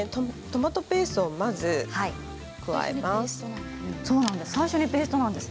トマトペーストをまず加えます。